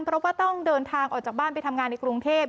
เพราะว่าต้องเดินทางออกจากบ้านไปทำงานในกรุงเทพ